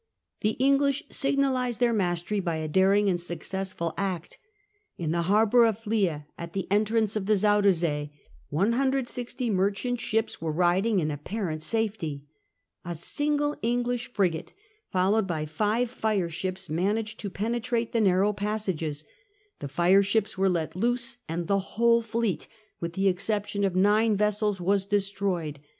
The English signalised their mastery by a daring and successful act. In the harbour of Flie, at the entrance to Destruction the Zuyder Zee, 1 60 merchant ships were riding merchant * n a PP arent safety. A single English frigate, fleet. followed by five fire ships, managed to pene trate the narrow passages ; the fire ships were let loose, and the whole fleet, with the exception of nine vessels, was destroyed.